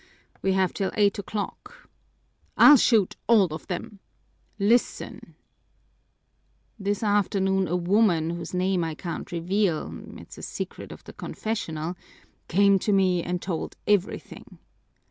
We have till eight o'clock." "I'll shoot all of them!" "Listen_!_ This afternoon a woman whose name I can't reveal (it's a secret of the confessional) came to me and told everything.